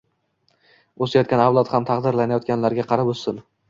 O‘sayotgan avlod ham taqdirlanayotganlarga qarab o‘ssin.